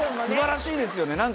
すばらしいですよね。